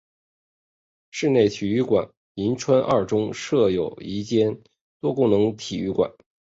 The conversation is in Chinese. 室内体育馆银川二中设有一间多功能体育馆。